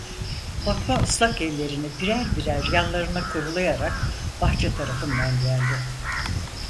Fatma ıslak ellerini birer birer yanlarına kurulayarak bahçe tarafından geldi.